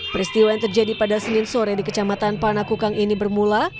peristiwa yang terjadi pada senin sore di kecamatan panakukang ini bermula